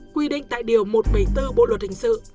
quy định tại điều một trăm bảy mươi bốn bộ luật hình sự